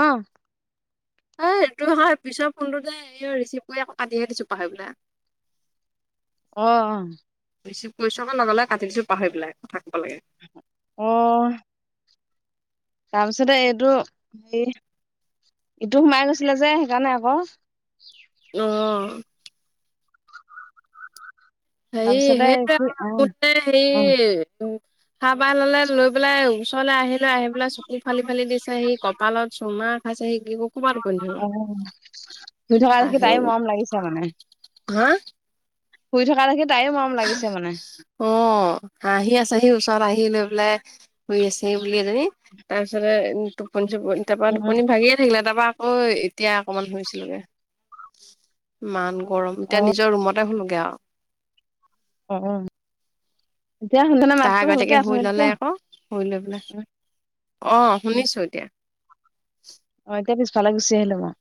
অ'। এই এইটো হয়, পিছৰ ফোনটোতে এই ৰিচিভ কৰি আকৌ কাটিয়ে দিছো পাহৰি [unintelligible] [inaudible] অ', অ'। ৰিচিভ কৰিছো আকৌ লগে লগে কাটি দিছো পাহৰি পেলাই, কথা কব লাগে। অ'। তাৰপিছতে এইটো, [unintelligible] এইটো সোমাই গৈছিলে যে সেইকাৰণে আকৌ। অ'। হেৰি তাৰপিছতে [unintelligible] কি অ হেৰি অ [unintelligible] ল'লে লৈ পেলাই ওচৰলৈ আহিলে, আহি পেলাই চকু ফালি ফালি দিছে সি কপ কপালত চুমা খাইছে, [unintelligible] ধৰিব [unintelligible] শুই থকা দেখি আহেও তাইও মৰম লাগিছে মানে। হা শুই থকা দেখি তাইও মৰম লাগিছে মানে। অ', হাহি আছেহি ওচৰত আহি লৈ পেলাই শুই আছে বুলি এজনী, তাৰপিছতে টোপনি চোপনি তাৰপা উম টোপনি ভাগিয়ে থাকিলে তাৰপা [unintelligible] এতিয়া অকমান শুইছিলেগে, ইমান গৰম। অ এতিয়া নিজৰ ৰুমতে শুলোগে আৰু। অ', অ'। এতিয়া শুনিছানে তাৰ মাতটো আগতীয়াকে শুই ললে ভালকে আকৌ শুই লৈ পেলাই অ [unintelligible] শুনিছো এতিয়া অ', এতিয়া পিছফালে গুচি আহিলো মই,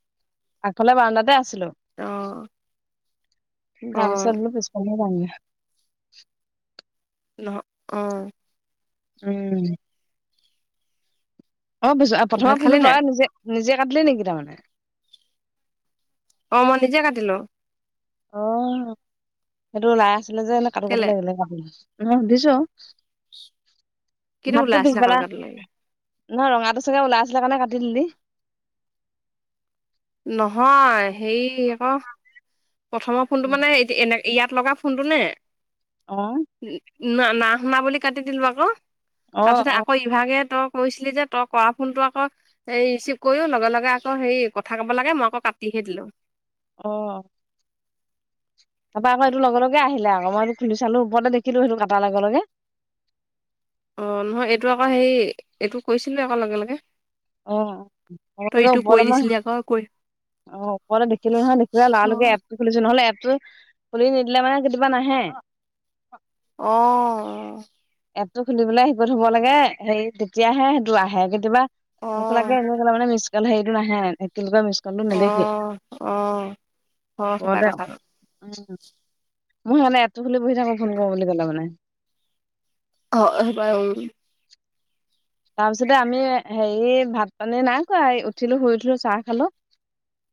আগফালে বাৰণ্ডাতে আছিলো। অ অ [unintelligible] নহ অ'। উম। অ', [unintelligible] ভাত প্ৰথমবাৰ খালি ফোনতো নাই তইৱে নিজে, নিজে কাটলি নেকি তাৰমানে। অ', মই নিজে কাটিলোঁ। অ', সেইটো ওলাই আছিলে যে [unintelligible] কটো কেলে লাগিলে, [unintelligible] অ' সুধিছো। কিটো মাতটো ওলাই আছিলে কাটো পিছবেলা কাটো লাগি নহ ৰঙাটো চাগে ওলাই আছিলে কাৰণে কাটি দিলি। নহয় হেৰি আকৌ প্ৰথমৰ ফোনটো মানে এনে [unintelligible] ইয়াত লগা ফোনটো নে? অ'। না-না শুনা বুলি কাটি দিলো আকৌ, অ তাৰপিছতে অ আকৌ ইভাগে তই কৈছিলি যে তই কৰা ফোনটো আকৌ, হেৰি ৰিচিভ কৰিও লগে লগে আকৌ হেৰি কথা কব লাগে মই আকৌ কাটিহে দিলো। অ'। তাৰপা আকৌ এইটো লগে আহিলে আৰু, মইটো খুলি চালো ওৰতে দেখিলো সেইটো কাটাৰ লগে লগে। অ' নহয় এইটো আকৌ হেৰি এইটো কৈছিলোঁ আকৌ লগে লগে। তই অ' ইটো কৈ বৰ দিছিলি [unintelligible] আকৌ কৈ অ' অকলে দেখিলো নহয় দেখিলা লালকে খুলিছো, নহলে এপটো খুলি নিদিলে মানে কেতিয়াবা নাহে। অ'। এপটো খুলি পেলাই শিকত হব লাগে, হে তেতিয়াহে সেইটো আহে কেতিয়াবা অ', নোখোলাকে অ', এনেলে মানে মিছ কাল হেৰিটো নাহে এনেকুৱা মিছ কলো নেদেখি, অ', অ', সেইটা পত কথা উম মই হলে এপ খি বহি থাকো ফোন কৰো বুলি ক'লে মানে। অ' হব, উম। [inaudible] তাৰপিছতে আমি হেৰি ভাত পানী নাই খোৱা, উঠিলো শুই উঠিলো চাহ খালো।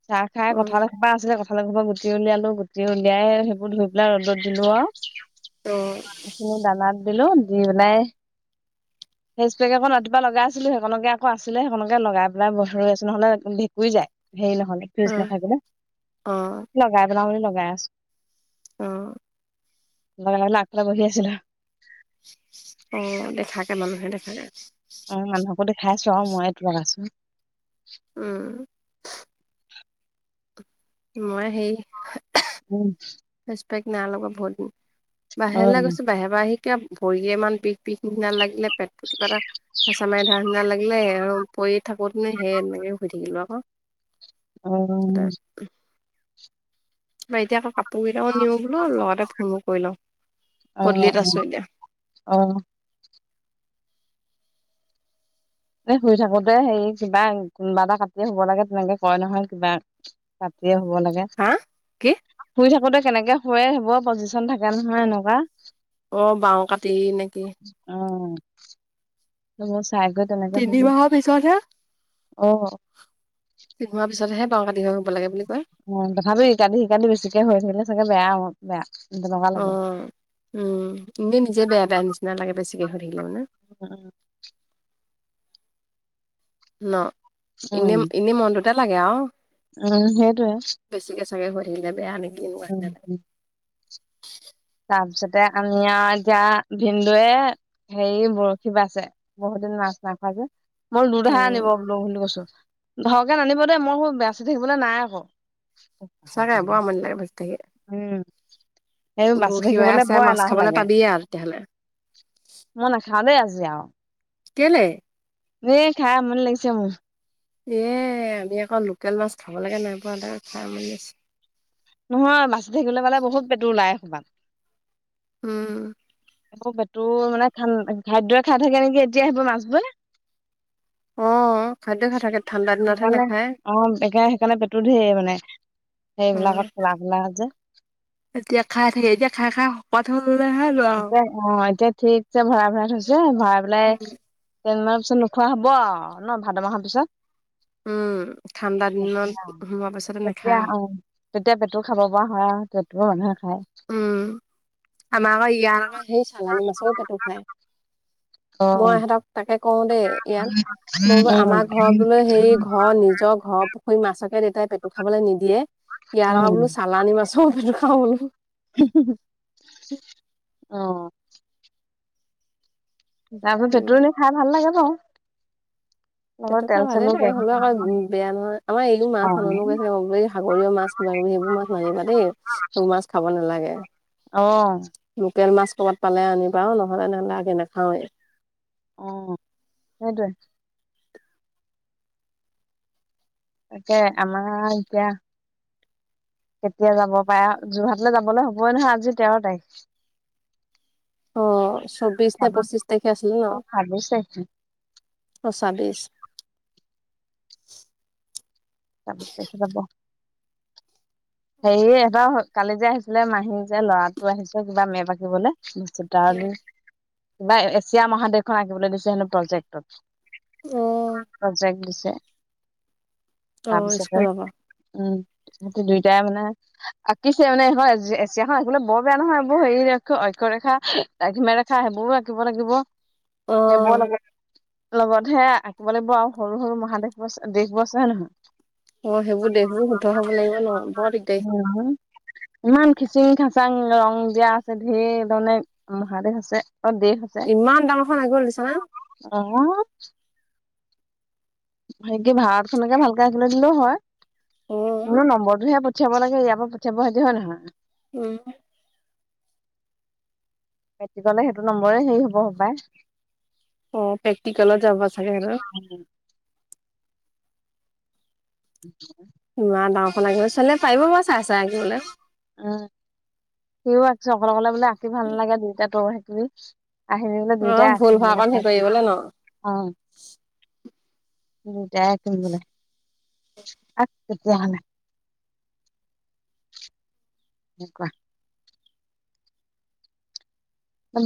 চাহ খাই অ', কঠাল কা আছিলে, কঠাল পৰা গুটি উলিয়ালো, গুটি উলিয়াই সেইবোৰ ধুই পেলাই ৰ'দত দিলো আৰু। এইখিনি দানাত দিলো, দি পেলাই পেক একখন ৰাতিপুৱা লগাই আছিলো, সেইখনকে আকৌ আছিলে, সেইখনকে লগাই পেলাই ভ ৰৈ আছো নহলে [unintelligible] যায়। হেৰি নহলে ফ্ৰিজ অ', নাথাকিলে, অ', লগাই পেলও বুলি লগাই আছো। লগাই পেলাই, আগফালে বহি আছিলো। অ' দেখাকে ললোহে দেখাকে। অ' মানুহকো দেখাইছো আৰু মই এইতো লগাইচো। উম। মই সে উম। ফেচ পেক নাই লগোবা বহুত দিন, অ বাহিৰলৈ গৈছো বাহিৰ পৰা আহি কিবা ভৰি ইমান ভিষ ভিষ নিচিনা লাগিলে, পেটটো কিবা এটা হেঁচা মাৰি ধাৰ নিচিনা লাগিলে আৰু পৰি থাকোতে নে সেই এনেকে শুই থাকিলো আকৌ। উম। ম এতিয়া আকৌ কাপোৰ কেইটাকো নিওঁ বোলো, লগতে ফোনো কৰি লওঁ অ পদোলিত আছো এতিয়া। অ'। শুই থাকোতে, হেৰি কিবা কোনোবা এটা কাটিয়ে শুব লাগে, তেনেকে কয় নহয় কিবা কাটি হয় শু'ব লাগে। হা? কি? শুই থাকোতে কেনেকে শুুৱে, সেইবোৰ পজিশন থাকে নহয় এনেকুৱা। অ' বাওঁ কাটি নেকি। অ'। ত মই চাই কৰি শুবি তিনিমাহৰ পিছতহে অ পিন্ধোৱাৰ পিছতহে বাওঁ কাতিহ হৈ শুব লাগে বুলি কয়। অ' তথাপি ইতিয়া শিকালি বেছিকে হৈ থাকিলে চাগে বেয়া হ বেয়া [unintelligible] অ' উম, এনেই নিজে বেয়া বেয়া নিচিনা লাগে, বেছিকৈ শুই থাকিলে মানে। উম। ন, এনে উম এনে মনটোতে লাগে আৰু। উম সেইটোৱে। বেছিকে চাগে শুই থাকিলে, বেয়া নেকি [unintelligible] লাগে। উম তাৰপিছতে, আমি আৰু এতিয়া ভিনদেউয়ে হেৰি বৰশী বা আছে, বহুত দিন মাছ নাই খোৱা যে। মই ল়হা উম, আনিব বোলো বুলি কৈছো। ধৰকে নানিব দেই মই আকৌ বাচি থাকিবলৈ নাই আকৌ। সঁচাকে বৰ আমনি লাগে ভাজি থাকি। উম, সেই বাচি বৰশী বাই থাকিবলৈ আছে বৰ মাছ এলাহ খাবলে লাগে পাবিয়ে আৰু তেতিয়াহ'লে। বমই নাখাওঁ দেই আজি আৰু। কেলে, এ খাই আমনি লাগিছে মোৰ। এ আমি আকৌ লোকেল মাছ খাব লাগে নাই পোৱাে খাই ম আছো। নহয় বাচি থাকিবলৈ পালে বহুত পেটো ওলায় এখোপা। উম, আকৌ পেটু মানে খান খাদ্য খাই থাকে নেকি এতিয়া আহিব মাছ বোৰে। অ, খাদ্য খাই থাকে ঠাণ্ডা দিনতহে সেইকাৰণে নাখায়। অ একে সেইকাৰণে পেটু ধঢেৰ মানে, অ'। সেইবিলাকত খোলা-খোলা যে, এতিয়া খাই থাকে, এতিয়া খাই-খাই পথ হ [unintelligible] এতিয়া অ এতিয়া ঠিক যে ভৰা ভৰাতৈ হৈছে ভৰাই পেলাই। উম। কেইদিন মানৰ পিছত নোখোৱা হব ন' ভাদ মাহৰ পিছত। উম, ঠাণ্ডা দিনত সোমোৱা পাছতে এতিয়া নাখায় আৰু, আহ, তেতিয়া পেটু খাব পৰা হয় আৰু পেটও মানুহে খায়। উম, আমাৰ আকৌ ইয়াৰ আকৌ সেই চালানি মাছো পেটু খায়। মই অ', ইহঁতক তাকে কওঁ দেই, ইয়াত উম মইলো আমাৰ ঘৰ বোলে হেই ঘৰ নিজৰ ঘৰ সু মাছকে তেতিাই পেটু খাবলৈ নিদিয়ে কিয়াৰ উম খাওঁ বোলো চালানি মাছ পেটু খাওঁ বোলো। [unintelligible] তাৰপিছত উম, পেটু বোলো খাই ভাল লাগে বাৰু। লগত সেইটো খাই তেল ভালে চেলো থাকে যায়। হ'লেও আকৌ বেয়া নহয় আমাৰ এইও মাছ আনো গৈছে। এই সাগৰীয় মাছ, কিবা কিবি সেইবোৰ মাছ নানিবা দেই সেইবোৰ মাছ খাব নালাগে। অহ, লোকেল মাছ ক'বাতালে আনিবা নহ'লে নহ'লে আগে নাখাওঁৱে। অ, সেইটোৱে। একে আম এতিয়া কেতিয়া যাব পাৰো যোৰহাটলে যাবলৈ হবই নহয় আজি তেৰ তাৰিখ। অ, চৌবিশ নে ছাব্বিশ পঁচিশ তাৰিখে আছিলিলে অ ন' ছাব্বিশ তাৰিখে অ, ছাবিশ তাৰপিচত দেখা যাব। হেৰি এবাৰ কালি যে আহিছিলে মাহী যে ল'ৰাটো আহিছে কিবা মেপ আঁকিবলে। তাৰ কিবা এছিয়া মহাদেশখন আঁকিবলে দিছে হেনো প্ৰজেক্টত। উম। অ', প্ৰজেক্ট দিছে। অ', তাৰপিছতে স্কুলৰ পৰা উম, দুইটাই মানে। আঁকিছে মানেখন এছিয়াখনো বৰ বেয়া নহয় বৰ হেৰি অক্ষয় ৰেখা। দ্ৰাঘিমাৰেখা সেইবোৰও ৰাঁখিব লাগিব অ', সেইবোৰও লাগিব। লগতহে আঁকিব লাগিব আৰু সৰু-সৰু মহাদেশ ব দেশবোৰ আছে হয় নে নহয়? অ, সেইবোৰ দেশবোৰ শুদ্ধৰ হব লাগিব ন? বৰ দিগদাৰি। উম। ইমান খিচিং খাচাং ৰং দিয়া আছে ধঢেৰ ধৰণে মহাদেশ আছে অ দেশ আছে। ইমান ডাঙৰখন আগি দিছে না? অহ, সে কি ভাৰা খনকে ভালকে আহিবলৈ দিলেও হয় অ', ম নম্বৰটোহে। পঠাব লাগে ইয়াৰ পৰা পঠিয়াব সেইটো হয় নহয়? উম। মেট্ৰিকলে সেইটো নম্বৰে হেৰি হ'ব সবায়। অ প্ৰেক্টিকেলত যাব চাগে আৰু। উম, [unintelligible] ইমান ডাঙৰখন আকিবলৈ চালে পাৰিব বাৰু চাই চাই আকিবলে। উম, সিও আঁকিছোঁ, অকলে অকলে বোলে আঁকি ভাল নালাগে, টুইটা তই আকিবি। আহি বোলে দুয়টাই অ', ভুল আঁকিম হোৱা বোলে কণ চাই হেৰি কৰিবলৈ ন? অ'। দুইটাই আঁকিম বোলে, আক তেতিয়াহ'লে। [unintelligible]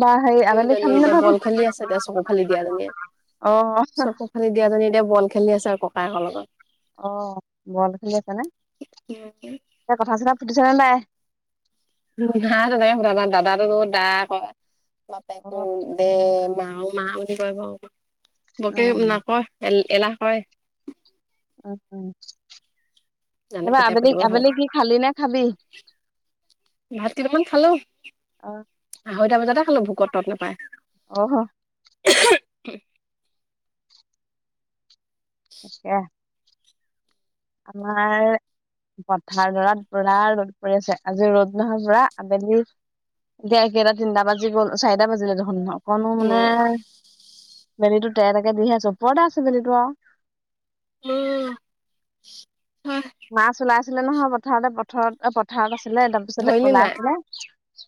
বা হেৰি আবেলি দুজনী খালি নে এতিয়া ভাত বল খেলি আছে এতিয়া চকুফালি দিয়া জনীয়ে, অ চকুফালি দুয়াজনী এতিয়া বল খেলি আছে আৰু ককায়েকৰ লগত। অ' বল খেলি আছে নে, লগত। এ, কথা চথা পাতিছেনে নাই? নাই তেনেকে সোধা নাই, দাদাটো ক'ব দা কৰে অ এ, মাহ মাহ বুলি কৰিব, বকে উম নকয় এ, এলাহ কয়। উ, উ, জানো কেতিয়া আবেলি পাতিব আবেলি ভালকে কি খালি নে খাবি? ভাত কেইটামান খালোঁ, অ আঢ়ৈটা বজাতে খালোঁ ভোকত তত নাপায়। অ'। [unintelligible] আছে। আমাৰ পথাৰ দৰাত পুৰা ৰ'দ পৰি আছে, আজি ৰ'দ নহয় পুৰা আবেলি এতিয়া কেইটা, তিনিটা বাজি গ'ল, চাৰিটা বাজিলে দেখোন ন' অকনো মানে উম বেলিটো তে তেকে দিহে আছে, ওপৰতে আছে বেলিটো আৰু। উম, হয়। মাছ লাইছিলে নহয় পথাৰতে, পথাৰত পথাৰত আছিলে একদম। পিছতে ধৰিলি ওলাই নাই আছিলে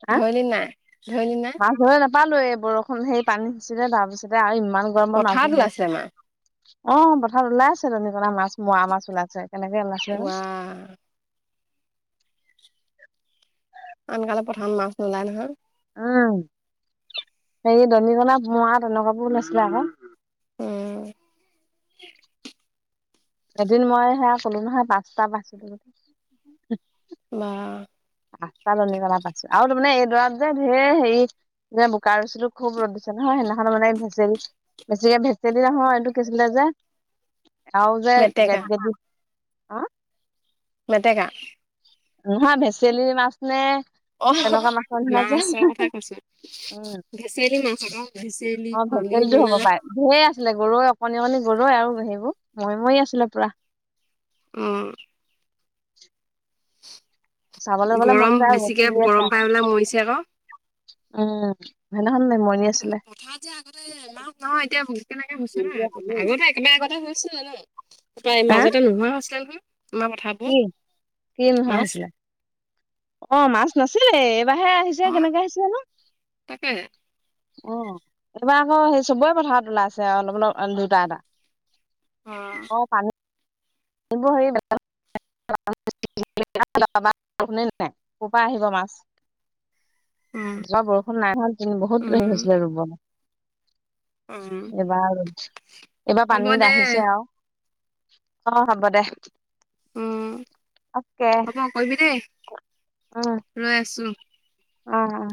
হা, ধৰিলি নাই ধৰিলি নাই মাছ ধৰিয়ে না পা লৈ এ, বৰষুণ সেই পানী দিছিলে, তাৰপিছতে আৰু ইমান গৰমত পথাৰত নাজো ওলাইছে মাছ অ' পথাৰত ওলাই আছে দনীকনা মাছ, মৰা মাছ ওলাইছে, কেনেকে ওলাই ৱাহ। আমি থাকিলে পথাৰত মাছ নোলায় নহয়। উম, হেৰি ধনীকনা, মৰা তেনেকাবোৰ ওলাইছিলে আকৌ। উম। এদিন মই সেয়া কলো নহয় পাঁচটা পাইলো বা। পাঁচটা দনিকণা পাইছোঁ আৰু তাৰমানে এইডৰা যে ধেৰ হেৰি যে বোকা গৈছিলো, খুব ৰ'দ দিছে নহয়, সেইদিনাখনো মানে ভেজেলি বেছিকে ভেচদি নহয়, এইটো কিছিলে যে আৰু যে গেদ মেটেকা গে হা মেটেকা? নহয় ভেচেলিৰ মাছ মানে অ' মাছৰ কথা কৈছে। উম ভেচলি মাছ আকৌ, ভেচেলি, পুলি কিটো হ'ব বাই, ধেৰ আছিলে গৰৈ অকনি অকনি গৰৈ আৰু সেইবোৰ মৰি মৰি আছিলে পুৰা। উম। চাবলৈ গলে মন গৰম যায় আৰু বেছিকে ঘৰত চি গৰম আছে পাই পেলাই মৰিছে আকৌ আৰু। উম, সেইদিনাখন মই কথা এতিয়া আগতে নহয়, এতিয়া কেনেকে হৈছে ন' ক আগতে একেবাৰে আগতে হৈছিল জানো, তাই হা মাজতে নোহোৱা হৈছিল নহয়। আমাৰ পথাৰবোৰ কি, কি নোহোৱা মাছ হৈছিলে? অ' মাছ নাছিলে, এইবাৰে আহিছে অ কেনেকে আহিছে জানো। তাকে। অ' এইবাৰ আকৌ সেই চবৰে পথাৰত ওলাই আছে, অলপ অলপ দুটা এটা। অ'। [unintelligible] [unintelligible] নাই ক'ৰ পৰা আহিব মাছ। উম ৰোৱা বৰষুণ নাই হোৱা, কিন্ত বহুত হৰি উম হৈছিলে ৰুব। উম এইবাৰ, এইবাৰ হ'ব পানীত দে আহিছে আৰু। অ' হ'ব দে। উম, অকে হ'ব কৰবি দেই, ৰৈ আছো। উম উম।